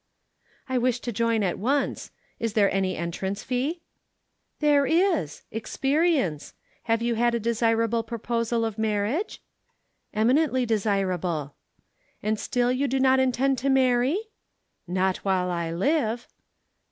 "I wish to join at once. Is there any entrance fee?" "There is experience. Have you had a desirable proposal of marriage?" "Eminently desirable." "And still you do not intend to marry?" "Not while I live."